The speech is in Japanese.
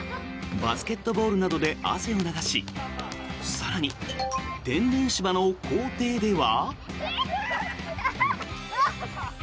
バスケットボールなどで汗を流し更に、天然芝の校庭では。